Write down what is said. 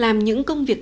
làm những công việc